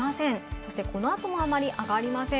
そしてこの後もあまり上がりません。